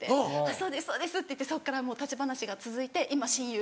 「そうですそうです」って言ってそっからもう立ち話が続いて今親友。